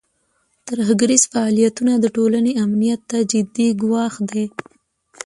ترهګریز فعالیتونه د ټولنې امنیت ته جدي ګواښ دی.